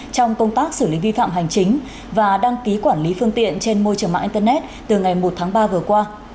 trong công tác xử lý vi phạm hành chính và đăng ký quản lý phương tiện trên môi trường mạng internet từ ngày một tháng ba vừa qua